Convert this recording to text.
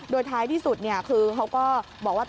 โดยท้ายที่สุดคือเขาก็บอกว่า